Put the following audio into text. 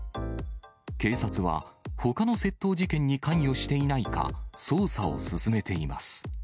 警察は、ほかの窃盗事件に関与していないか、捜査を進めています。